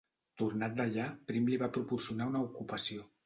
Tornat d'allà, Prim li va proporcionar una ocupació.